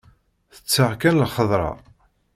Tetteɣ kan lxedṛa.